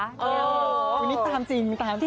อันนี้ตามจริง